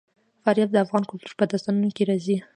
فاریاب د افغان کلتور په داستانونو کې راځي.